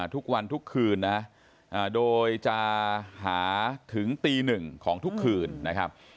ทุกวันทุกคืนนะโดยจะหาถึงตีหนึ่งของทุกคืนนะครับ